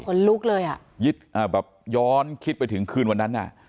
คนลุกเลยอะย้อนคิดไปถึงคืนวันนั้นน่ะ